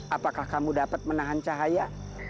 apakah kamu dapat menahan cahaya